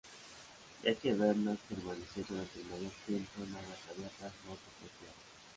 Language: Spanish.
Ya que Bernard permaneció durante el mayor tiempo en aguas abiertas, no tocó tierra.